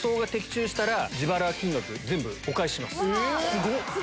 すごっ！